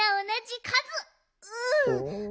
うん。